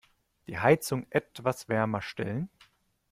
Die Heizung etwas wärmer stellen.